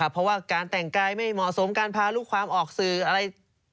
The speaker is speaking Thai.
เพราะว่าการแต่งกายไม่เหมาะสมการพาลูกความออกสื่ออะไร